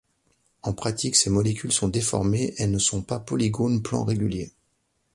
En pratique ces molécules sont déformées et ne sont pas polygones plans réguliers.